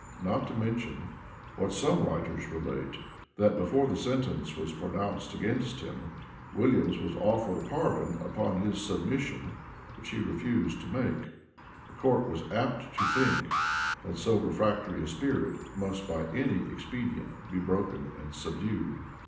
Not to mention, what some writers relate, that, before the sentence was pronounced against him, Williams was offered a pardon upon his submission, which he refused to make; the court was apt to think, that so refractory a spirit must by any expedient be broken and subdued.